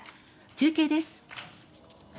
中継です。